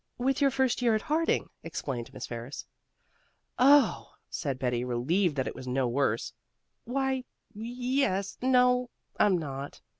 "With your first year at Harding," explained Miss Ferris. "Oh!" said Betty, relieved that it was no worse. "Why, y es no, I'm not.